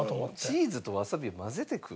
チーズとわさびを混ぜて食う？